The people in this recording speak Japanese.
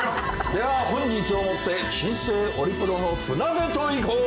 では本日をもって新生オリプロの船出といこう！